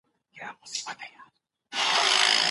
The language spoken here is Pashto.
حذف، لکه څنګه چي د نورو قومونو لپاره د منلو وړ